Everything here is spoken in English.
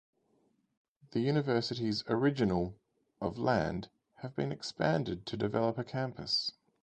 The university's original of land have been expanded to develop a campus.